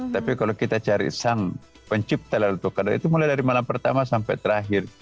tapi kalau kita cari sang pencipta laylatul qadar itu mulai dari malam pertama sampai terakhir